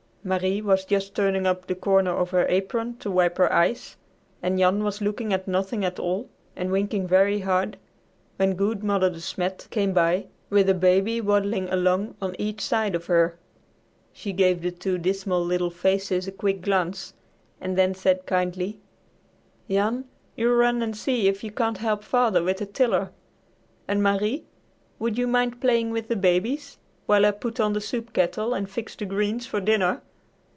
Marie was just turning up the corner of her apron to wipe her eyes, and Jan was looking at nothing at all and winking very hard, when good Mother De Smet, came by with a baby waddling along on each side of her. She gave the two dismal little faces a quick glance and then said kindly: "Jan, you run and see if you can't help Father with the tiller, and, Marie, would you mind playing with the babies while I put on the soup kettle and fix the greens for dinner?